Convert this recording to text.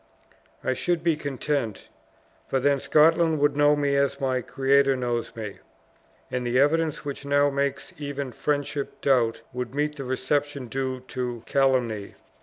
I should be content; for then Scotland would know me as my Creator knows me; and the evidence which now makes even friendship doubt, would meet the reception due to calumny."